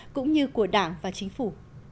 cũng như của đảng và chính phủ